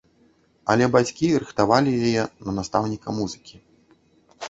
Але бацькі рыхтавалі яе на настаўніка музыкі.